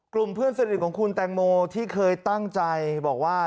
เพื่อนสนิทของคุณแตงโมที่เคยตั้งใจบอกว่า